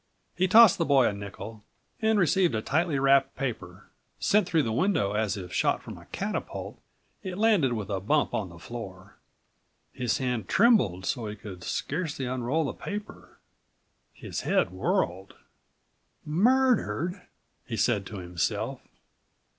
He tossed the boy a nickel and received a tightly wrapped paper. Sent through the window as if shot from a catapult, it landed with a bump on the floor. His hand trembled so he could scarcely unroll the paper. His head whirled. "Murdered?" he said to himself.